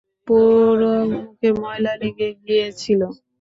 পুরো মুখে ময়লা লেগে গিয়েছিল।